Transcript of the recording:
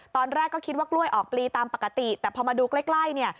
ตอนแรกก็คิดว่ากล้วยออกปลีตามปกติแต่พอมาดูใกล้ใกล้เนี่ย